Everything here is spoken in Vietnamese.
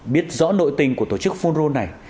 biết rõ nội tình của tổ chức phun rô này